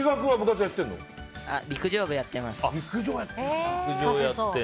陸上部やってます。